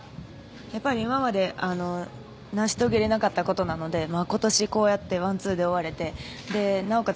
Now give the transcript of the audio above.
今まで成し遂げられなかったことなので今年、こうやってワンツーで終われてなおかつ